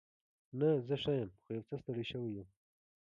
نه، زه ښه یم. خو یو څه ستړې شوې یم.